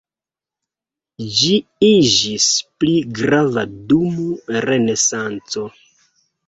Ĝi iĝis pli grava dum Renesanco.